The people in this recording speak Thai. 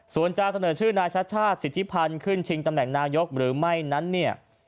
ส่วนจะเสนอชื่อนายชาติชาติสิทธิพันธ์ขึ้นชิงตำแหน่งนายกหรือไม่นั้นเนี่ย